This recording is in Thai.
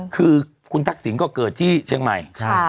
คือคุณทักษิณก็เกิดที่เชียงใหม่